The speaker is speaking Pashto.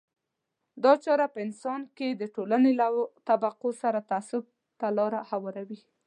دا چاره په انسان کې د ټولنې له طبقو سره تعصب ته لار هواروي.